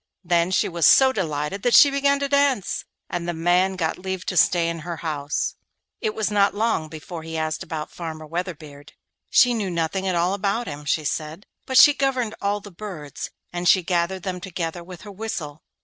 Then she was so delighted that she began to dance, and the man got leave to stay in her house. It was not long before he asked about Farmer Weatherbeard. She knew nothing at all about him, she said, but she governed all the birds; and she gathered them together with her whistle.